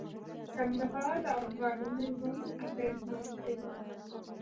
کندهار د افغانانو ژوند اغېزمن کوي.